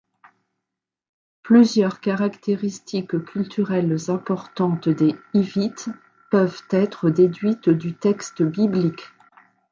Plusieurs caractéristiques culturelles importantes des Hivites peuvent être déduites du texte biblique.